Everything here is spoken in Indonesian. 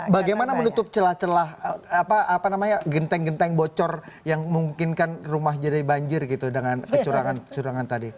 bagaimana menutup celah celah apa namanya genteng genteng bocor yang memungkinkan rumah jadi banjir gitu dengan kecurangan kecurangan tadi